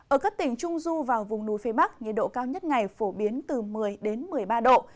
ở các tỉnh trung du và vùng núi phía bắc nhiệt độ cao nhất ngày phổ biến từ một mươi một mươi ba độ